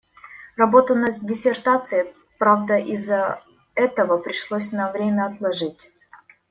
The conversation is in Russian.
Работу над диссертацией, правда, из‑за этого пришлось на время отложить.